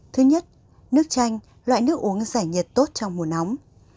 thứ nhất nước chanh loại nước uống giải nhiệt tốt trong mùa nóng